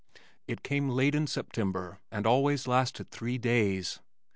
It came late in September and always lasted three days.